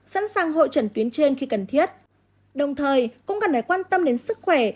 sẵn sàng hội trần tuyến trên khi cần thiết đồng thời cũng cần phải quan tâm đến sức khỏe